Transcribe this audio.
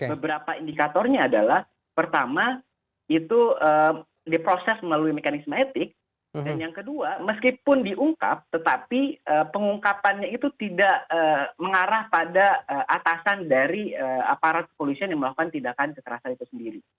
beberapa indikatornya adalah pertama itu diproses melalui mekanisme etik dan yang kedua meskipun diungkap tetapi pengungkapannya itu tidak mengarah pada atasan dari aparat kepolisian yang melakukan tindakan kekerasan itu sendiri